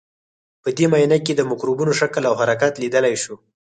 په دې معاینه کې د مکروبونو شکل او حرکت لیدلای شو.